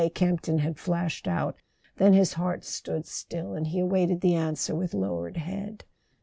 Camp ton had flashed out; then his heart stood still, and he awaited the answer with lowered head.